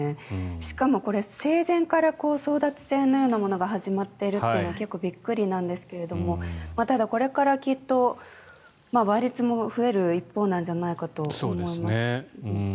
しかもこれ、生前から争奪戦のようなものが始まっているというのは結構びっくりなんですがただ、これからきっと倍率も増える一方なんじゃないかと思います。